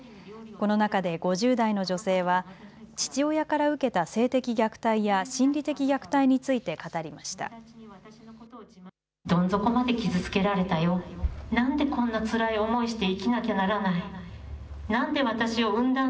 この中で５０代の女性は父親から受けた性的虐待や心理的虐待について語りました。